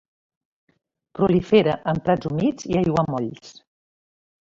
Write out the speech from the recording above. Prolifera en prats humits i aiguamolls.